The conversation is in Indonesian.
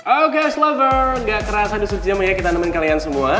oke guys lover gak kerasa disujudin sama ya kita nemenin kalian semua